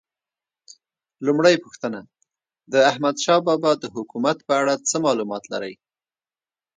لومړۍ پوښتنه: د احمدشاه بابا د حکومت په اړه څه معلومات لرئ؟